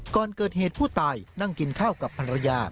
ก่อนเกิดเหตุผู้ตายนั่งกินข้าวกับภรรยา